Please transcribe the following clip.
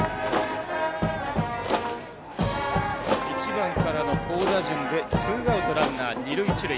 １番からの好打順でツーアウト、ランナー二塁、一塁。